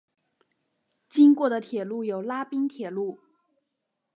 经过的铁路有拉滨铁路。